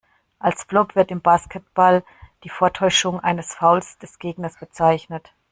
Als Flop wird im Basketball die Vortäuschung eines Fouls des Gegners bezeichnet.